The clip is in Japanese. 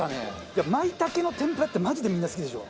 いや舞茸の天ぷらってマジでみんな好きでしょ。